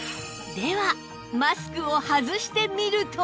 ではマスクを外してみると